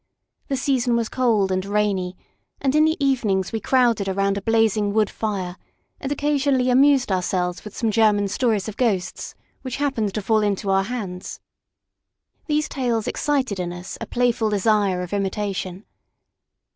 The season was cold and rainy, and in the evenings we crowded around a blazing wood fire, and occasionally amused ourselves with some German stories of ghosts, which happened to fall into our hands. These tales excited in us a playful desire of imitation.